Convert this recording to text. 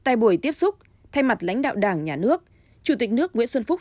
tại buổi tiếp xúc thay mặt lãnh đạo đảng nhà nước chủ tịch nước nguyễn xuân phúc